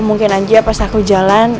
mungkin anji pas aku jalan